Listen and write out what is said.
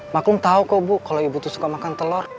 maklum tau kok bu kalau ibu suka makan telur